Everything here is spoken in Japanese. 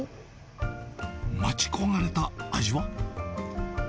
待ち焦がれた味は？